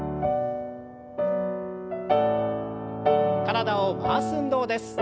体を回す運動です。